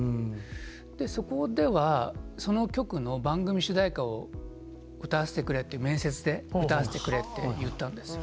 そこではその局の番組主題歌を歌わせてくれって面接で歌わせてくれって言ったんですよ。